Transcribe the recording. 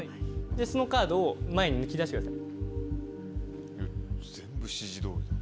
そのカードを前に抜き出してください。